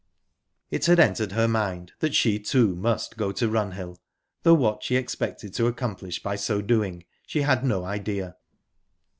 It had entered her mind that she, too, must go to Runhill, though what she expected to accomplish by so doing, she had no idea...